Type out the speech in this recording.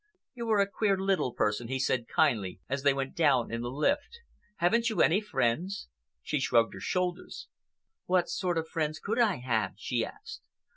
"You are a queer little person," he said kindly, as they went down in the lift. "Haven't you any friends?" She shrugged her shoulders. "What sort of friends could I have?" she asked.